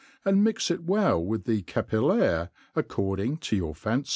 and mix it well with the capillaire according to your fan^y.